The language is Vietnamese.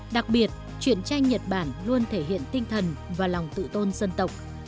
đặc biệt chuyện tranh nhật bản luôn thể hiện tinh thần và lòng tự tôn dân tộc